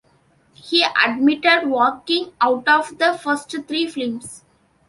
He admitted walking out of the first three films.